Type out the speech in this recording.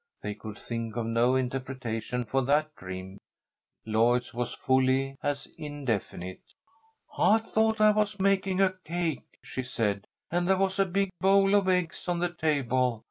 They could think of no interpretation for that dream. Lloyd's was fully as indefinite. "I thought I was making a cake," she said, "and there was a big bowl of eggs on the table.